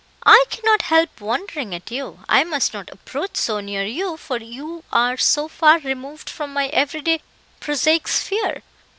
"I cannot help wondering at you. I must not approach so near you, for you are so far removed from my everyday prosaic sphere.